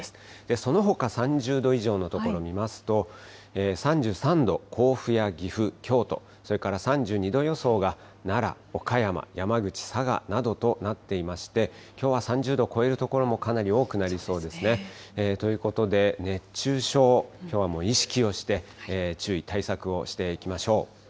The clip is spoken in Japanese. そのほか３０度以上の所見ますと、３３度、甲府や岐阜、京都、それから３２度予想が奈良、岡山、山口、佐賀などとなっていまして、きょうは３０度を超える所もかなり多くなりそうですね。ということで、熱中症、きょうはもう意識をして注意、対策をしていきましょう。